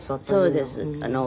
そうです。